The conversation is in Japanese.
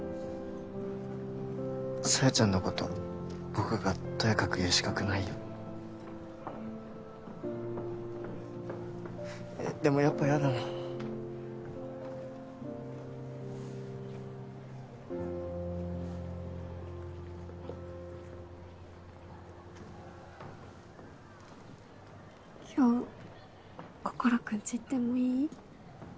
小夜ちゃんのこと僕がとやかく言う資格ないよでもやっぱヤだな今日心君ち行ってもいい？